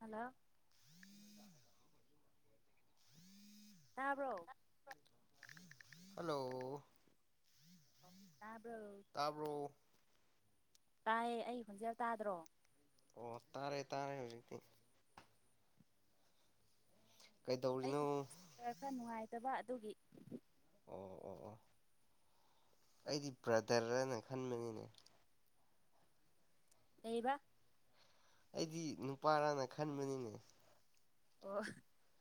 Hello ꯇꯥꯕ꯭ꯔꯣ hello ꯇꯥꯕ꯭ꯔꯣ ꯇꯥꯕ꯭ꯔꯣ ꯇꯥꯏ ꯑꯩ ꯈꯣꯟꯖꯦꯜ ꯇꯥꯗ꯭ꯔꯣ ꯑꯣ ꯇꯥꯔꯦ ꯇꯥꯔꯦ ꯍꯧꯖꯤꯛꯇꯤ ꯑꯩꯒꯤ ꯀꯩꯗꯧꯔꯤꯅꯣ ꯈꯔ ꯈꯔ ꯅꯨꯡꯉꯥꯏꯇꯕ ꯑꯗꯨꯒꯤ ꯑꯣ ꯑꯣ ꯑꯣ ꯑꯩꯗꯤ ꯕ꯭ꯔꯗꯔꯅ ꯈꯟꯕꯅꯤꯅꯦ ꯀꯩꯕ ꯑꯩꯗꯤ ꯅꯨꯄꯥꯔꯅ ꯈꯟꯕꯅꯤꯅꯦ ꯑꯣ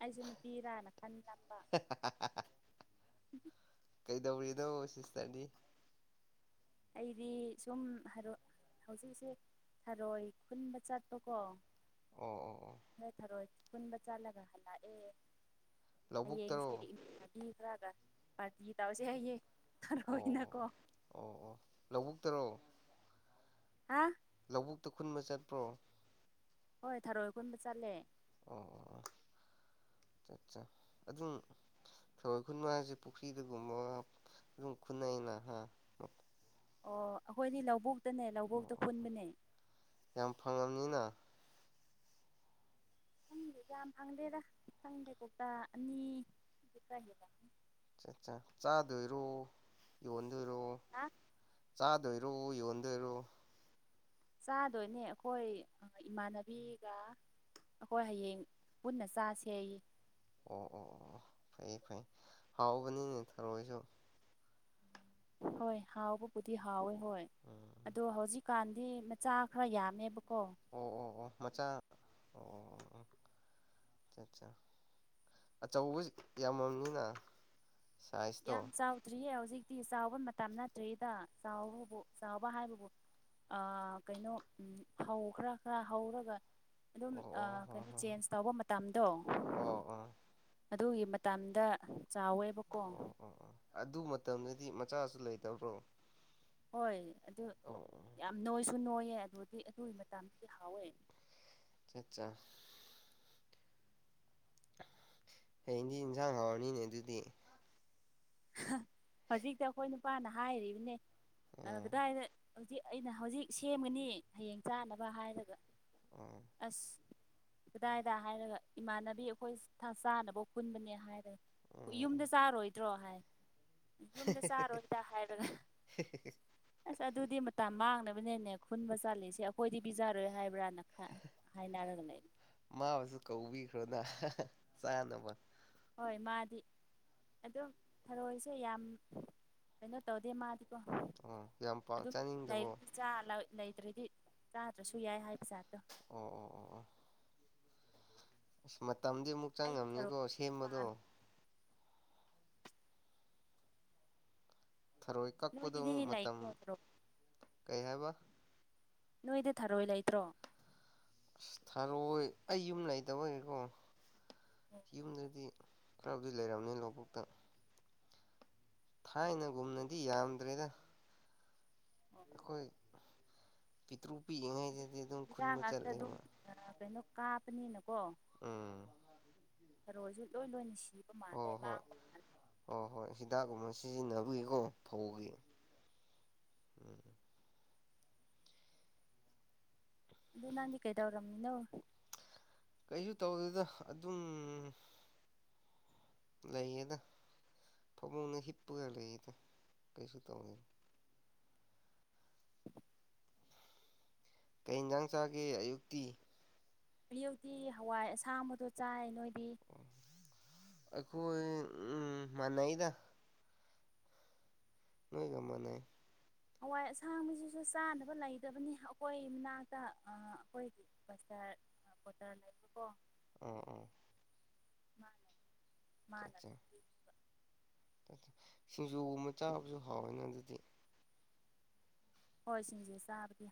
ꯑꯩꯁꯨ ꯅꯨꯄꯤꯔꯥꯅ ꯈꯟꯕ ꯀꯩꯗꯧꯔꯤꯅꯣ ꯁꯤꯁꯇꯔꯗꯤ ꯑꯩꯗꯤ ꯁꯨꯝ ꯍꯧꯖꯤꯛꯁꯦ ꯊꯥꯔꯣꯏ ꯈꯨꯟꯕ ꯆꯠꯄꯀꯣ ꯑꯣ ꯑꯣ ꯑꯣ ꯅꯣꯏ ꯊꯔꯣꯏ ꯈꯨꯟꯕ ꯆꯠꯂꯒ ꯍꯜꯂꯛꯑꯦ ꯂꯧꯕꯨꯛꯇꯔꯣ ꯍꯌꯦꯡꯁꯦ ꯏꯃꯥꯅꯕꯤ ꯈꯔꯒ ꯄꯥꯔꯇꯤ ꯇꯧꯁꯦ ꯍꯥꯏꯌꯦ ꯑꯣ ꯊꯔꯣꯏꯅꯀꯣ ꯑꯣ ꯑꯣ ꯂꯧꯕꯨꯛꯇꯔꯣ ꯑꯥ ꯂꯧꯕꯨꯛꯇ ꯈꯨꯟꯕ ꯆꯠꯄ꯭ꯔꯣ ꯍꯣꯏ ꯊꯥꯔꯣꯏ ꯈꯨꯟꯕ ꯆꯠꯂꯦ ꯑꯣ ꯑꯠꯆꯥ ꯑꯗꯨꯝ ꯊꯔꯣꯏ ꯈꯨꯟꯕ ꯍꯥꯏꯁꯦ ꯄꯨꯈ꯭ꯔꯤꯗꯒꯨꯝꯕ ꯑꯗꯨꯝ ꯈꯨꯅꯩꯅ ꯑꯣ ꯑꯩꯈꯣꯏꯗꯤ ꯂꯧꯕꯨꯛꯇꯅꯦ ꯂꯧꯕꯨꯛꯇ ꯑꯣ ꯈꯨꯟꯕꯅꯦ ꯌꯥꯝ ꯐꯪꯉꯝꯅꯤꯅ ꯈꯪꯗꯦ ꯌꯥꯝ ꯐꯪꯗꯦꯗ ꯈꯪꯗꯦ ꯀꯣꯛꯇꯥ ꯑꯅꯤ ꯈꯔ ꯍꯦꯜꯂꯝꯒꯅꯤ ꯑꯠꯆꯥ ꯑꯠꯆꯥ ꯆꯥꯗꯣꯏꯔꯣ ꯌꯣꯟꯗꯣꯏꯔꯣ ꯍꯥ ꯆꯥꯗꯣꯏꯔꯣ ꯌꯣꯟꯗꯣꯏꯔꯣ ꯆꯥꯗꯣꯏꯅꯦ ꯑꯩꯈꯣꯏ ꯏꯃꯥꯟꯅꯕꯤꯒ ꯑꯩꯈꯣꯏ ꯍꯌꯦꯡ ꯄꯨꯟꯅ ꯆꯥꯁꯦꯌꯦ ꯑꯣ ꯑꯣ ꯑꯣ ꯐꯩ ꯐꯩ ꯍꯥꯎꯕꯅꯤꯅꯦ ꯊꯔꯣꯏꯁꯨ ꯍꯣꯏ ꯍꯥꯎꯕꯕꯨꯗꯤ ꯍꯥꯎꯋꯦ ꯍꯣꯏ ꯎꯝ ꯑꯗꯣ ꯍꯧꯖꯤꯛ ꯀꯥꯟꯗꯤ ꯃꯆꯥ ꯈꯔ ꯌꯥꯝꯃꯦꯕꯀꯣ ꯑꯣ ꯑꯣ ꯑꯣ ꯃꯆꯥ ꯑꯣ ꯑꯠꯆꯥ ꯑꯠꯆꯥ ꯑꯆꯧꯕ ꯌꯥꯝꯃꯝꯅꯤꯅ ꯁꯥꯏꯖꯇꯣ ꯌꯥꯝ ꯆꯥꯎꯗ꯭ꯔꯤꯌꯦ ꯍꯧꯖꯤꯛꯇꯤ ꯆꯥꯎꯕ ꯃꯇꯝ ꯅꯠꯇ꯭ꯔꯤꯗ ꯆꯥꯎꯕꯕꯨ ꯆꯥꯎꯕ ꯍꯥꯏꯕꯕꯨ ꯑ ꯀꯩꯅꯣ ꯐꯧ ꯈꯔ ꯈꯔ ꯍꯧꯔꯒ ꯑꯗꯨꯝ ꯑꯣ ꯑꯣ ꯍꯣ ꯀꯩꯅꯣ ꯆꯦꯟꯖ ꯇꯧꯕ ꯃꯇꯝꯗꯣ ꯍꯣ ꯍꯣ ꯑꯣ ꯑꯣ ꯑꯗꯨꯒꯤ ꯃꯇꯗ ꯆꯥꯎꯋꯦꯕꯀꯣ ꯑꯣ ꯑꯣ ꯑꯣ ꯑꯗꯨ ꯃꯇꯝꯗꯗꯤ ꯃꯆꯥꯁꯨ ꯂꯩꯇꯕ꯭ꯔꯣ ꯍꯣꯏ ꯑꯗꯨ ꯑꯣ ꯑꯣ ꯌꯥꯝ ꯅꯣꯏꯁꯨ ꯅꯣꯏꯌꯦ ꯑꯗꯨꯗꯤ ꯑꯗꯨꯒꯤ ꯃꯇꯥꯡꯗꯗꯤ ꯍꯥꯎꯋꯦ ꯆꯠꯆꯥꯆꯥ ꯍꯌꯦꯡꯗꯤ ꯏꯟꯁꯥꯡ ꯍꯥꯎꯔꯅꯤꯅꯦ ꯑꯗꯨꯗꯤ ꯍꯧꯖꯤꯛꯇ ꯑꯩꯈꯣꯏ ꯅꯨꯄꯥꯅ ꯍꯥꯏꯔꯤꯕꯅꯦ ꯑꯥ ꯀꯗꯥꯏꯗ ꯍꯧꯖꯤꯛ ꯑꯩꯅ ꯍꯧꯖꯤꯛ ꯁꯦꯝꯒꯅꯤ ꯍꯌꯦꯡ ꯆꯥꯅꯕ ꯍꯥꯏꯔꯒ ꯑꯥ ꯑꯁ ꯀꯗꯥꯏꯗ ꯍꯥꯏꯔꯒ ꯏꯃꯥꯟꯅꯕꯤ ꯑꯩꯈꯣꯏ ꯆꯥꯅꯕ ꯍꯨꯟꯕꯅꯦ ꯍꯥꯏꯔꯒ ꯑꯥ ꯌꯨꯝꯗ ꯆꯥꯔꯣꯏꯗ꯭ꯔꯣ ꯍꯥꯏ ꯌꯨꯝꯗ ꯆꯥꯔꯣꯏ ꯍꯗ ꯍꯥꯏꯔꯒ ꯑꯁ ꯑꯗꯨꯗꯤ ꯃꯇꯝ ꯃꯥꯡꯅꯕꯅꯦꯅꯦ ꯈꯨꯟꯕ ꯆꯥꯂꯤꯁꯦ ꯑꯩꯈꯣꯏꯗꯤ ꯄꯤꯖꯔꯣꯏ ꯍꯥꯏꯕ꯭ꯔꯥꯅ ꯈ ꯍꯥꯏꯥꯏꯅ ꯂꯒ ꯂꯩ ꯃꯥꯕꯨꯁꯨ ꯀꯧꯕꯤꯈ꯭ꯔꯣꯅ ꯆꯥꯅꯕ ꯍꯣꯏ ꯃꯥꯗꯤ ꯑꯗꯨꯝ ꯊꯔꯣꯏꯁꯦ ꯌꯥꯝ ꯀꯩꯅꯣ ꯇꯧꯗꯦ ꯃꯥꯗꯤ ꯑꯣ ꯌꯥꯝ ꯄꯥꯝ ꯆꯥꯅꯤꯡꯗꯕꯣ ꯥ ꯂꯩꯗ꯭ꯔꯗꯤ ꯆꯥꯗ꯭ꯔꯁꯨ ꯌꯥꯏ ꯍꯥꯏꯗꯤ ꯆꯥꯗꯣ ꯑꯣ ꯑꯣ ꯑꯣ ꯑꯣ ꯑꯁ ꯃꯇꯝꯗꯤ ꯑꯃꯨꯛ ꯑꯩꯗꯤ ꯊꯔꯣꯏ ꯆꯪꯉꯝꯅꯤꯀꯣ ꯑꯗꯨꯝ ꯁꯦꯝꯕꯗꯣ꯫ ꯄꯥꯝꯃꯦ ꯊꯔꯣꯏ ꯀꯛꯄꯗꯨꯛ ꯅꯣꯏꯗꯗꯤ ꯃꯇꯝ ꯂꯩꯇ꯭ꯔꯣ ꯊꯔꯣꯏ ꯀꯩ ꯍꯥꯏꯕ ꯅꯣꯏꯗ ꯊꯥꯔꯣꯏ ꯂꯩꯇ꯭ꯔꯣ꯫ ꯑꯁ ꯊꯥꯔꯣꯏ ꯑꯩ ꯌꯨꯝ ꯂꯩꯇꯕꯒꯤꯀꯣ ꯌꯨꯝꯗꯗꯤ꯫ ꯈꯔꯕꯨꯗꯤ ꯂꯩꯔꯕꯝꯅꯤ ꯂꯧꯕꯨꯛꯇ ꯊꯥꯏꯅꯒꯨꯝꯅꯗꯤ ꯌꯥꯝꯗ꯭ꯔꯦꯗ꯫ ꯍꯧꯖꯤꯛ ꯑꯈꯣꯏ ꯄꯤꯇ꯭ꯔꯨꯛ ꯄꯤꯛꯏꯉꯩꯗꯗꯤ ꯑꯗꯨꯝ ꯍꯤꯗꯥꯛ ꯈꯨꯟꯕ ꯉꯥꯛꯇ ꯑꯗꯨꯝ ꯆꯠꯂꯦꯕ ꯀꯩꯅꯣ ꯀꯥꯞꯄꯅꯤꯅꯀꯣ ꯎꯝ ꯊꯔꯣꯏꯁꯨ ꯂꯣꯏ ꯂꯣꯏꯅ ꯁꯤꯕ ꯃꯥꯜꯂꯦ ꯍꯣꯏ ꯍꯣꯏ ꯃꯥꯡꯕ ꯍꯣꯏ ꯍꯣꯏ ꯍꯤꯗꯥꯛꯀꯨꯝꯕ ꯁꯤꯖꯤꯟꯅꯕꯒꯤꯀꯣ ꯐꯧꯒꯤ ꯎꯝ ꯑꯗꯣ ꯅꯪꯗꯤ ꯀꯩꯗꯧꯔꯝꯃꯤꯅꯣ꯫ ꯀꯩꯁꯨ ꯇꯧꯗꯦꯗ ꯑꯗꯨꯝ ꯂꯩꯌꯦꯗ ꯃꯨꯡꯗ ꯍꯤꯞꯄꯒ ꯂꯩꯌꯦꯗ ꯀꯩꯁꯨ ꯇꯧꯋꯦ ꯀꯩ ꯍꯤꯟꯖꯥꯡ ꯆꯥꯒꯦꯒꯤ ꯑꯌꯨꯛꯇꯤ ꯑꯌꯨꯛꯇꯤ ꯍꯋꯥꯏ ꯑꯁꯥꯕꯗꯣ ꯆꯥꯏ ꯅꯣꯏꯗꯤ ꯑꯈꯣꯏ ꯎꯝ ꯃꯅꯩꯏꯗ ꯅꯣꯏ ꯀꯃꯅꯩ ꯍꯋꯥꯏ ꯑꯁꯥꯡꯕꯁꯤꯁꯨ ꯆꯥꯅꯕ ꯂꯩꯗꯕꯅꯤ ꯑꯈꯣꯏ ꯃꯅꯥꯛꯇ ꯑꯈꯣꯏꯒꯤ ꯄꯩꯁ ꯄꯣꯠꯇꯔ ꯂꯩꯕꯀꯣ ꯑ ꯑꯣ [unintelligible] ꯃꯥꯅ ꯑꯠꯆꯥ ꯑꯗꯨꯝ ꯁꯤꯡꯖꯨꯒꯨꯝꯕ ꯆꯥꯕꯁꯨ ꯍꯥꯎꯋꯦꯅ ꯑꯗꯨꯗꯤ ꯍꯣꯏ ꯁꯤꯡꯖꯨ ꯆꯥꯕꯗꯤ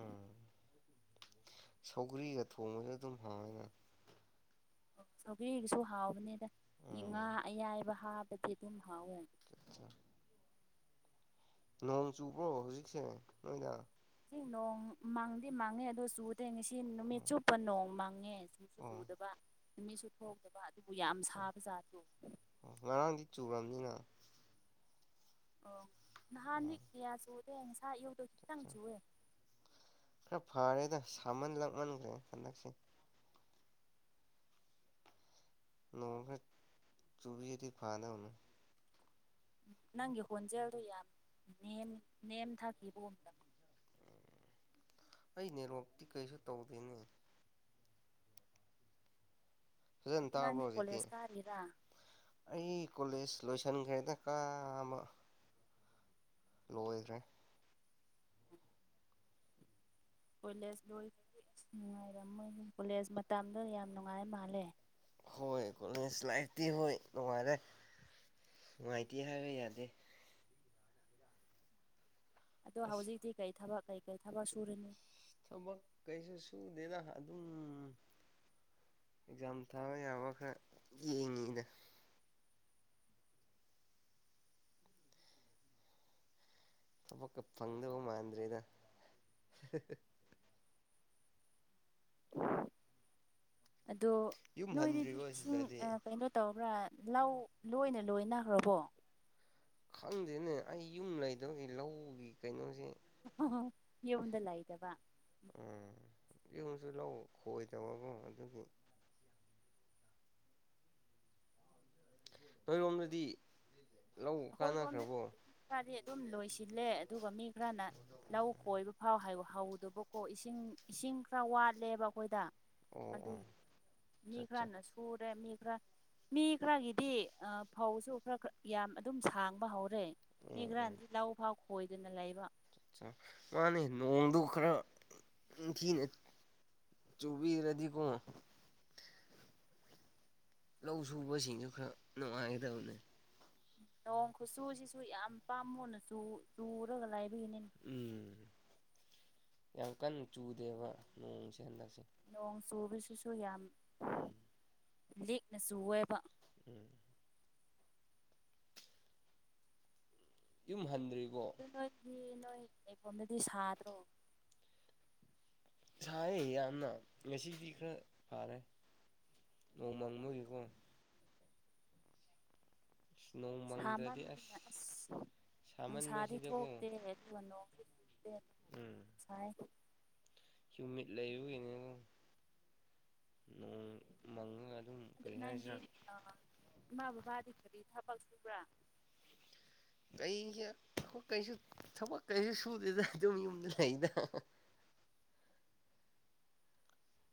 ꯎꯝ ꯁꯧꯒ꯭ꯔꯤꯒ ꯊꯣꯡꯕꯁꯨ ꯑꯗꯨꯝ ꯍꯥꯡꯉꯦꯅ ꯑꯣ ꯁꯧꯒꯔꯤꯒꯤꯁꯨ ꯍꯥꯎꯕꯅꯤꯗ ꯉꯥ ꯎꯝ ꯑꯌꯥꯏꯕ ꯍꯥꯕꯗꯤ ꯑꯗꯨꯝ ꯍꯥꯎꯋꯦ [unintelligible] ꯅꯣꯡ ꯆꯨꯕ꯭ꯔꯣ ꯍꯧꯖꯤꯛꯁꯦ ꯅꯣꯏꯗ ꯉ ꯅꯣꯡ ꯃꯥꯡꯗꯤ ꯃꯥꯡꯉꯦ ꯑꯗꯨꯗꯣ ꯆꯨꯗꯦ ꯉꯁꯤ ꯅꯨꯃꯤꯠ ꯑꯣ ꯆꯨꯞꯄ ꯅꯣꯡ ꯃꯥꯡꯉꯦ ꯃꯆꯨꯁꯨ ꯑꯣ ꯆꯨꯗꯕ ꯅꯨꯃꯤꯠꯁꯨ ꯊꯣꯡꯗꯕ ꯑꯗꯨꯕꯨ ꯌꯥꯝ ꯑꯠꯆꯥ ꯁꯥꯕ ꯖꯥꯠꯇꯣ ꯉꯔꯥꯡꯗꯤ ꯆꯨꯔꯕꯅꯤꯅ ꯑꯣ ꯅꯍꯥꯟꯗꯤ ꯑꯣ ꯀꯌꯥ ꯆꯨꯗꯦ ꯅꯁꯥ ꯌꯌꯧꯗꯣ ꯈꯤꯇꯪ ꯑꯠꯆꯥ ꯆꯨꯑꯦ꯫ ꯈꯔ ꯐꯔꯦꯗ ꯁꯥꯃꯟ ꯂꯛꯃꯟꯈ꯭ꯔꯦ ꯍꯟꯗꯛꯁꯦ꯫ ꯅꯣꯡ ꯈꯔ ꯆꯨꯕꯤꯗꯤ ꯐꯥꯗꯧꯅꯦ ꯅꯪꯒꯤ ꯍꯣꯟꯖꯦꯜꯗꯣ ꯌꯥꯝ ꯅꯦꯝ ꯅꯦꯝꯊꯥꯈꯤꯕ ꯇꯧꯑꯦ꯫ ꯑꯩ ꯅꯦꯠꯋꯥꯛꯇꯤ ꯀꯩꯁꯨ ꯇꯧꯗꯦꯅꯦ꯫ ꯐꯖꯟ ꯑꯗꯨ ꯇꯥꯕ꯭ꯔꯣ ꯅꯪꯗꯤ ꯍꯧꯖꯤꯛꯇꯤ꯫ ꯀꯣꯂꯦꯖ ꯀꯥꯔꯤꯔꯥ ꯑꯩ ꯀꯣꯂꯦꯖ ꯂꯣꯏꯁꯟꯈ꯭ꯔꯦꯅ ꯀꯥ ꯑꯃ ꯂꯣꯏꯈ꯭ꯔꯦ ꯀꯣꯂꯦꯖ ꯂꯣꯏꯕꯗꯤ ꯑꯁ ꯅꯨꯡꯉꯥꯏꯔꯝꯃꯣꯏ ꯀꯣꯂꯦꯖ ꯃꯇꯝꯗ ꯌꯥꯝ ꯅꯨꯡꯉꯥꯏ ꯃꯥꯜꯂꯦ ꯍꯣꯏ ꯀꯣꯂꯦꯖ ꯂꯥꯏꯐꯇꯤ ꯍꯣꯏ ꯅꯨꯡꯉꯥꯏꯔꯦ ꯅꯨꯡꯉꯥꯏꯇꯦ ꯍꯥꯏꯕ ꯌꯥꯗꯦ꯫ ꯑꯗꯣ ꯑꯁ ꯍꯧꯖꯤꯛꯇꯤ ꯀꯩ ꯊꯕꯛ ꯀꯩꯀꯩ ꯊꯕꯛ ꯁꯨꯨꯔꯅꯤ꯫ ꯊꯕꯛ ꯀꯩꯁꯨ ꯁꯨꯗꯦꯅ ꯑꯗꯨꯝ ꯑꯦꯛꯖꯥꯝ ꯊꯥꯕ ꯌꯥꯕ ꯈꯔ ꯌꯦꯡꯉꯤꯗ ꯊꯕꯛꯀ ꯐꯪꯗꯧ ꯃꯥꯟꯗ꯭ꯔꯦꯗ [unintelligible] [unintelligible] ꯌꯨꯝ ꯅꯣꯏꯗꯤ ꯍꯟꯗ꯭ꯔꯤꯕꯣ ꯏꯁꯤꯡ ꯁꯤꯗꯗꯤ ꯀꯩꯅꯣ ꯇꯧꯕ꯭ꯔꯥ꯫ ꯂꯧ ꯂꯣꯏꯅ ꯂꯣꯏꯅꯈ꯭ꯔꯕꯣ꯫ ꯈꯪꯗꯦꯅꯦ ꯑꯩ ꯌꯨꯝ ꯂꯩꯗꯧꯒꯤ ꯂꯧꯒꯤ ꯀꯩꯅꯣꯁꯦ [unintelligible] ꯌꯨꯝꯗꯂꯩꯗꯕ꯫ ꯎꯝ ꯌꯨꯝꯁꯨ ꯂꯧ ꯈꯣꯏꯗꯕꯒꯨꯝ ꯑꯗꯨꯒꯤ꯫ ꯅꯣꯏꯔꯣꯝꯗꯗꯤ ꯂꯧ ꯑꯩꯈꯣꯏꯔꯣꯝꯗ ꯀꯥꯟꯅꯈ꯭ꯔꯕꯣ꯫ ꯈꯔꯗꯤ ꯑꯗꯨꯝ ꯂꯣꯏꯁꯤꯜꯂꯦ ꯑꯗꯨꯒ ꯃꯤ ꯈꯔꯅ꯫ ꯂꯧ ꯈꯣꯏꯕ ꯐꯥꯎ ꯍꯧꯗꯕꯀꯣ ꯏꯁꯤꯡ ꯏꯁꯤꯡ ꯈꯔ ꯋꯥꯠꯂꯦꯕ ꯑꯩꯈꯣꯏꯗ ꯑꯣ ꯑꯗꯨ ꯑꯣ ꯃꯤ ꯆꯠ ꯆꯥ ꯈꯔꯅꯁꯨ ꯄꯨꯔꯦ ꯃꯤ ꯈꯔꯅ ꯃꯤ ꯈꯔꯒꯤꯗꯤ ꯐꯧꯁꯨ ꯈꯔ ꯈꯔ ꯌꯥꯝ ꯑꯗꯨꯝ ꯁꯥꯡꯕ ꯍꯧꯔꯦ ꯃꯤ ꯎꯝ ꯎꯝ ꯈꯔꯅ ꯂꯧ ꯐꯥꯎ ꯈꯣꯏꯗꯅ ꯂꯩꯕ꯫ ꯃꯥꯅꯦ ꯅꯣꯡꯗꯨ ꯈꯔ ꯅꯤꯡꯊꯤꯅ꯫ ꯆꯨꯕꯤꯔꯗꯤꯀꯣ ꯂꯧ ꯁꯨꯕꯁꯤꯡꯁꯨ ꯈꯔ ꯅꯨꯡꯉꯥꯏꯒꯗꯕꯅꯦ ꯅꯣꯡ ꯈꯨꯆꯨꯁꯤꯁꯨ ꯌꯥꯝ ꯄꯥꯝꯃꯨꯅ ꯆꯨ ꯆꯨꯔꯒ ꯂꯩꯕꯒꯤꯅꯤ꯫ ꯎꯝ ꯌꯥꯝ ꯀꯟꯅ ꯆꯨꯗꯦꯕ ꯅꯣꯡꯁ‌ꯦ ꯍꯟꯗꯛꯁꯦ ꯅꯣꯡ ꯆꯨꯕꯁꯤꯁꯨ ꯌꯥꯝ꯫ ꯎꯝ ꯂꯤꯛꯅ ꯁꯨꯑꯦꯕ ꯎꯝ ꯌꯨꯝ ꯍꯟꯗ꯭ꯔꯤꯕꯣ꯫ ꯑꯗꯨ ꯅꯣꯏꯗꯤ ꯅꯣꯏ ꯂꯩꯐꯝꯗꯗꯤ ꯁꯥꯗ꯭ꯔꯣ ꯁꯥꯏꯌꯦ ꯌꯥꯝꯅ ꯉꯁꯤꯗꯤ ꯈꯔ ꯐꯔꯦ ꯅꯣꯡꯃꯪꯕꯒꯤꯀꯣ꯫ ꯑꯁ ꯅꯣꯡ ꯃꯪꯗ꯭ꯔꯗꯤ ꯑꯁ ꯁꯃꯥꯟꯕꯅꯤꯅ ꯑꯁ꯫ ꯅꯨꯡꯁꯥꯗꯤ ꯁꯥꯃꯟꯕꯁꯤꯗꯀꯣ ꯊꯣꯛꯇꯦ ꯑꯗꯨꯒ ꯅꯣꯡꯗꯤ ꯆꯨꯗꯦ ꯌꯥꯝ ꯁꯥꯏ꯫ ꯀꯨꯃꯤꯠ ꯂꯩꯕꯒꯤꯅꯤꯅ‌ꯦ ꯅꯣꯡ ꯃꯪꯉꯒ ꯑꯗꯨꯝ ꯀꯩ ꯍꯥꯏꯁꯤꯔꯥ꯫ ꯑ ꯏꯃꯥ ꯕꯕꯥꯗꯤ ꯀꯔꯤ ꯊꯕꯛ ꯁꯨꯕ꯭ꯔꯥ꯫ ꯀꯩꯒꯤ ꯊꯕꯛ ꯀꯩꯁꯨ ꯊꯕꯛ ꯀꯩꯁꯨ ꯁꯨꯗꯦꯗ ꯑꯗꯨꯝ ꯌꯨꯝꯗ ꯂꯩꯌ‌ꯦꯗ꯫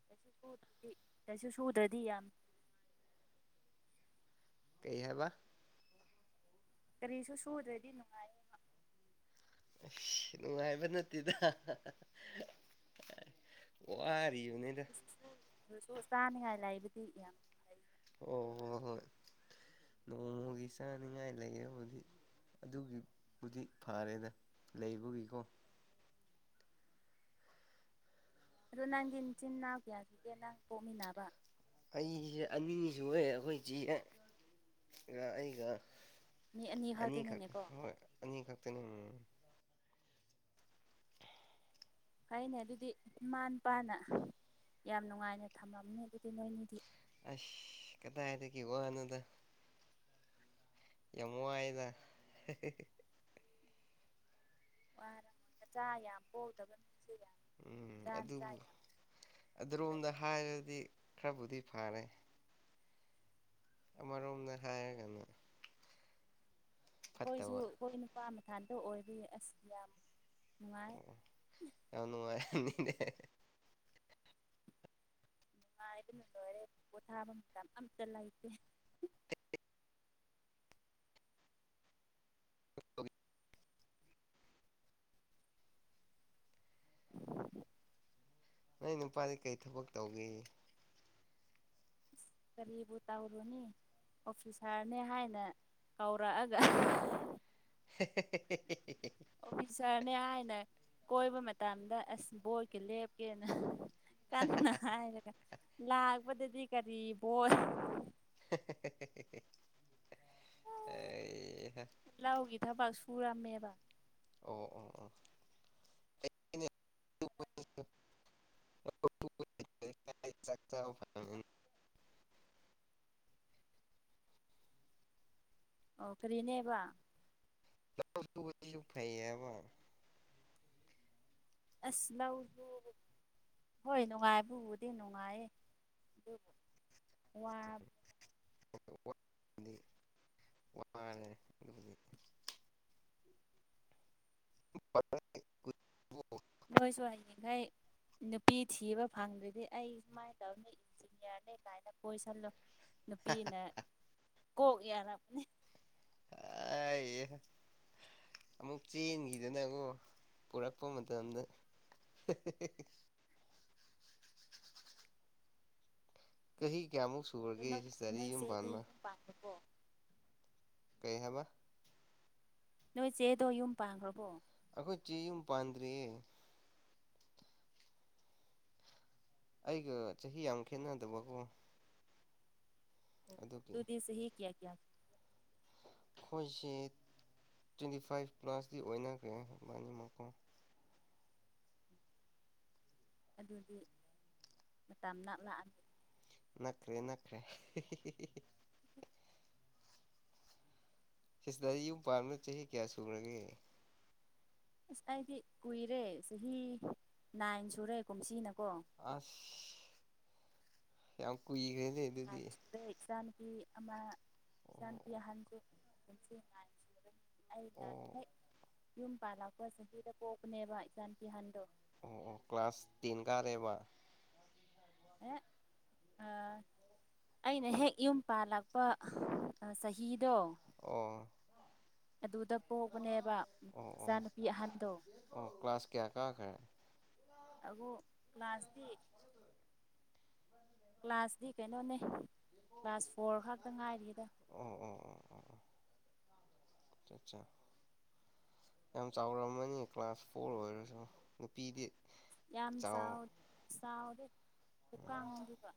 ꯀꯩꯁꯨ ꯁꯨꯗ꯭ꯔꯗꯤ ꯀꯩꯁꯨ ꯁꯨꯗ꯭ꯔꯗꯤ ꯌꯥꯝ꯫ ꯀꯩ ꯍꯥꯏꯕ ꯀꯔꯤꯁꯨ ꯁꯨꯗ꯭ꯔꯗꯤ ꯅꯨꯡꯉꯥꯏ꯫ ꯑ ꯅꯨꯡꯉꯥꯏꯕ ꯅꯠꯇꯦꯗ ꯋꯥꯔꯤꯕꯅꯦꯗ ꯑꯗꯨꯁꯨ ꯆꯥꯅꯤꯡꯉꯥꯏ ꯂꯩꯕꯗꯤ ꯌꯥꯝ꯫ ꯐꯩ ꯑꯣ ꯍꯣ ꯍꯣꯏ ꯅꯣꯡꯃꯒꯤ ꯆꯥꯅꯤꯡꯉꯥꯏ ꯂꯩꯔꯕꯨꯗꯤ꯫ ꯑꯗꯨꯒꯤꯕꯨꯗꯤ ꯐꯔꯦꯗ ꯂꯩꯕꯒꯤꯀꯣ꯫ ꯑꯗꯣ ꯅꯪꯒꯤ ꯅꯆꯤꯟꯅꯥꯎ ꯀꯌꯥꯁꯨꯒꯦ ꯅꯪ ꯄꯣꯛꯃꯤꯟꯅꯕ꯫ ꯑꯩꯁꯦ ꯑꯅꯤ ꯁꯨꯏꯌꯦ ꯑꯩꯈꯣꯏ ꯏꯆꯦꯒ ꯑꯩꯒ ꯃꯤ ꯑꯅꯤ ꯈꯛ ꯈꯛꯇꯅꯤꯅꯦꯀꯣ ꯍꯣꯏ ꯑꯅꯤ ꯈꯛꯇꯪ꯫ ꯐꯩꯅꯦ ꯑꯗꯨꯗꯤ ꯏꯃꯥ ꯄꯥꯅ ꯌꯥꯝ ꯅꯨꯡꯉꯥꯏꯅ ꯊꯝꯅꯝꯅꯤ ꯑꯗꯨꯗꯤ ꯅꯣꯏꯅꯤꯗꯤ ꯑꯁ ꯀꯗꯥꯏꯗꯒꯤ ꯋꯥꯅꯣꯗ꯫ ꯌꯥꯝ ꯋꯥꯏꯌꯦꯗ ꯍꯦꯍꯦ꯫ ꯋꯥꯔꯝꯃ‌ꯣꯏ ꯃꯆꯥ ꯌꯥꯝ ꯄꯣꯛꯇꯕ ꯏꯅꯨꯡꯁ‌ꯦ ꯎꯝ ꯑꯗꯨꯕꯨ ꯑꯗ‌ꯣꯝꯗ ꯍꯥꯏꯔꯗꯤ ꯈꯔꯕꯨꯗꯤ ꯐꯔꯦ ꯑꯃꯔꯣꯝꯗ ꯍꯥꯏꯔꯒꯅ ꯑꯩꯈꯣꯏꯁꯨ ꯐꯠꯇꯕ ꯑꯩꯈꯣꯏ ꯅꯨꯄꯥ ꯃꯊꯥꯟꯇ ꯑꯣꯏꯕꯒꯤ ꯑꯁ ꯌꯥꯝ ꯅꯨꯡꯉꯥꯏ ꯑꯣ ꯌꯥꯝ ꯅꯨꯡꯉꯥꯏꯅꯤꯅ‌ꯦ ꯅꯨꯡꯉꯥꯏꯕꯅ ꯂꯣꯏꯔꯦ ꯄꯣꯊꯥꯕ ꯃꯇꯝ ꯑꯝꯇ ꯂꯩꯇꯦ [unintelligible] ꯅꯪ ꯅꯨꯄꯥꯗꯤ ꯀꯩ ꯊꯕꯛ ꯇꯧꯒꯦ꯫ ꯀꯔꯤꯕꯨ ꯇꯧꯔꯨꯅꯤ ꯑꯣꯐꯤꯁꯥꯔꯅꯦ ꯍꯥꯏꯅ ꯀꯧꯔꯛꯑꯒ [unintelligible] ꯑꯣꯐꯤꯁꯥꯔꯅꯦ ꯍꯥꯏꯅ ꯀꯣꯏꯕ ꯃꯇꯝꯗ ꯑꯁ ꯕꯣꯠꯀꯥ ꯂꯦꯞꯄ‌ꯦꯅ꯫ ꯀꯟꯅ ꯍꯥꯏꯔꯒ ꯂꯥꯛꯄꯗꯗꯤ ꯀꯔꯤ ꯕꯣꯠ꯫ ꯍꯦꯍꯦꯍꯦꯍꯦ ꯑꯩꯍꯥ꯫ ꯂꯧꯒꯤ ꯊꯕꯛ ꯁꯨꯔꯝꯃꯦꯕ ꯑꯣ ꯑꯣ ꯑꯣ [unintelligible] [unintelligible] ꯑꯣ ꯀꯔꯤꯅꯦꯕ [unintelligible] ꯐꯩꯌꯦꯕ꯫ ꯑꯁ ꯂꯥꯎꯖ ꯍꯣꯏ ꯅꯨꯡꯉꯥꯏꯕꯕꯨꯗꯤ ꯅꯨꯡꯉꯥꯏꯌꯦ ꯑꯗꯨꯕꯨ ꯋꯥꯏ꯫ [unintelligible] ꯋꯥꯏꯅꯦ꯫ [unintelligible] ꯅꯣꯏꯁꯨ ꯍꯩꯅꯤꯡꯈꯩ ꯅꯨꯄꯤ ꯊꯤꯕ ꯐꯪꯗ꯭ꯔꯗꯤ ꯑꯩ ꯁꯨꯃꯥꯏꯅ ꯇꯧꯅꯤ꯫ ꯆꯤꯡꯌꯥꯔꯅꯤ ꯀꯥꯏꯅ ꯀꯣꯏꯁꯜꯂꯣ ꯅꯨꯄꯤꯅ ꯀꯣꯛ ꯌꯥꯔꯕꯅꯦ ꯑꯥꯏ ꯑꯃꯨꯛ ꯆꯦꯟꯈꯤꯗꯅꯀꯣ ꯄꯨꯔꯛꯄ ꯃꯇꯝꯗ ꯆꯍꯤ ꯀꯌꯥꯃꯨꯛ ꯁꯨꯔꯒꯦ ꯁꯤꯁꯇ꯭ꯔꯗꯤ ꯌꯨꯝ ꯄꯥꯟꯕ꯫ ꯄꯝꯕꯕꯣ꯫ ꯀꯩ ꯍꯥꯏꯕ꯫ ꯅꯣꯏ ꯆꯦꯗꯣ ꯌꯨꯝ ꯄꯥꯟꯈ꯭ꯔꯕꯣ ꯑꯩꯈꯣꯏ ꯆꯦ ꯌꯨꯝ ꯄꯥꯟꯗ꯭ꯔꯤꯌꯦ ꯑꯩꯒ ꯆꯍꯤ ꯌꯥꯝ ꯈꯦꯠꯅꯗꯕꯀꯣ꯫ ꯑꯗꯨꯒꯤ ꯑꯗꯨꯗꯤ ꯆꯍꯤ ꯀꯌꯥ ꯀꯌꯥ꯫ ꯑꯩꯈꯣꯏꯁꯦ ꯇ꯭ꯋꯦꯟꯇꯤ ꯐꯥꯏꯚ ꯄ꯭ꯂꯥꯁꯇꯤ ꯑꯣꯏꯅꯈ꯭ꯔꯦꯕꯥꯅꯤꯃꯛ ꯑꯗꯨꯗꯤ ꯃꯇꯝ ꯅꯅꯥ ꯂꯥꯛꯑꯒ ꯅꯛꯈꯔꯦ ꯅꯛꯈ꯭ꯔꯦ ꯁꯤꯗꯗꯤ ꯌꯨꯝ ꯄꯥꯝꯅꯣ ꯆꯍꯤ ꯀꯌꯥ ꯁꯨꯈꯔꯒꯦ ꯑꯁ ꯑꯩꯗꯤ ꯀꯨꯏꯔꯦ ꯆꯍꯤ ꯅꯥꯏꯟ ꯁꯨꯔꯦ ꯀꯨꯝꯁꯤꯅꯀꯣ꯫ ꯑꯁ ꯌꯥꯝ ꯀꯨꯏ ꯈꯔꯦ ꯑꯗꯦ ꯆ ꯄꯤ ꯑꯃ ꯏꯅꯄꯤ ꯑꯣ ꯑꯍꯟꯁꯨ ꯑꯩꯅ ꯑꯣ ꯍꯦꯛ ꯌꯨꯝ ꯄꯥꯟꯂꯥꯛꯄ ꯆꯍꯤꯗ ꯄꯣꯛꯄꯅꯦꯕ ꯏꯆꯅꯨꯄꯤꯑꯍꯟꯗꯣ꯫ ꯑꯣ ꯀ꯭ꯂꯥꯁ ꯇꯤꯟ ꯀꯥꯔꯦꯕ ꯑꯦ [inaudible] ꯑꯩꯅ ꯍꯦꯛ ꯌꯨꯝ ꯄꯥꯜꯂꯛꯄ ꯆꯍꯤꯗꯣ ꯑꯣ ꯑꯗꯨꯗ ꯄꯣꯛꯕꯅꯦꯕ ꯑꯣ ꯑꯣ ꯏꯆꯥꯅꯨꯄꯤ ꯑꯍꯟꯗꯣ ꯑꯣ ꯀ꯭ꯂꯥꯁ ꯀꯌꯥ ꯀꯥꯈ꯭ꯔꯦ ꯑꯗꯨꯕꯨ ꯀ꯭ꯂꯥꯁꯇꯤ ꯀ꯭ꯂꯥꯁꯇꯤ ꯀꯩꯅꯣꯅꯦ ꯀ꯭ꯂꯥꯁ ꯐꯣꯔ ꯈꯥꯛꯇ ꯉꯥꯏꯔꯤꯗ ꯑꯣ ꯑꯣ ꯆꯥ ꯌꯥꯝ ꯆꯥꯎꯔꯝꯃꯅꯤ ꯀ꯭ꯂꯥꯁ ꯐꯣꯔ ꯑꯣꯏꯔꯁꯨ ꯅꯨꯄꯤꯗꯤ ꯌꯥꯝ ꯆꯥꯎ ꯆꯥꯎꯗꯦ ꯈꯨꯀꯥꯡꯗꯨꯒ